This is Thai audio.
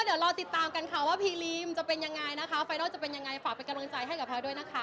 ดอกจันทร์สามศุนย์เรียงดอกจันทร์ห้าหกสี่เหลี่ยมนะคะ